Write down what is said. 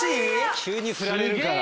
急にふられるから。